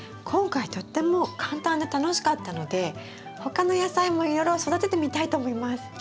今回とっても簡単で楽しかったので他の野菜もいろいろ育ててみたいと思います。